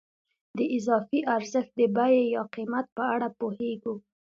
د اضافي ارزښت د بیې یا قیمت په اړه پوهېږو